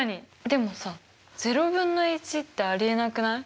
でもさ０分の１ってありえなくない？